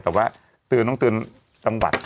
แต่ว่าเตือนต้องเตือนจังหวัด